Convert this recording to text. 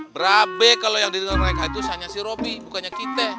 berabe kalau yang di denger mereka itu hanya si robi bukannya kita